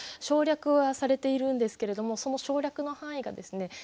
省略はされているんですけれどもその省略の範囲がですね